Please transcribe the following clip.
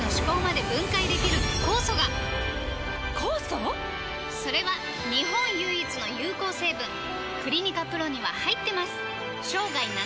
酵素⁉それは日本唯一の有効成分「クリニカ ＰＲＯ」には入ってます！